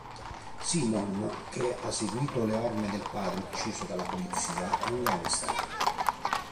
Simon, che ha seguito le orme del padre ucciso dalla polizia, è un gangster.